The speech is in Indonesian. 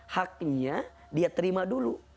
haknya dia terima dulu